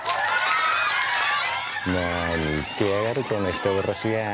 なに言ってやがるこの人殺しが。